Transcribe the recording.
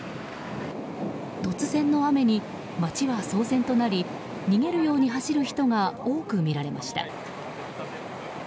突然の雨に街は騒然となり逃げるように走る人が多く見られました。